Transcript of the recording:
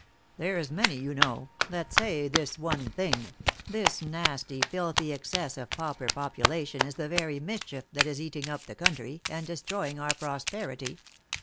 There's many, you know, that say this one thing, this nasty filthy excess of pauper population is the very mischief that is eating up the country, and destroying our pro sperity.